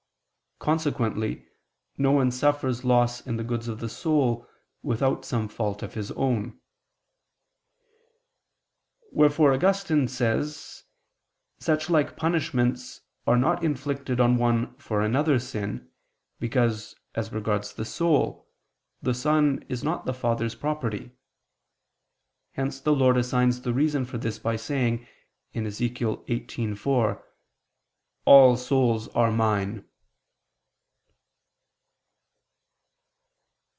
Consequently no one suffers loss in the goods of the soul without some fault of his own. Wherefore Augustine says (Ep. ad Avit.) [*Ep. ad Auxilium, ccl.], such like punishments are not inflicted on one for another's sin, because, as regards the soul, the son is not the father's property. Hence the Lord assigns the reason for this by saying (Ezech. 18:4): "All souls are Mine."